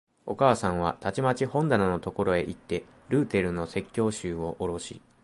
お母さんはたちまち本棚のところへいって、ルーテルの説教集をおろし、